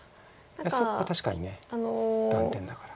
そこは確かに断点だから。